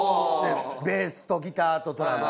ベースとギターとドラム。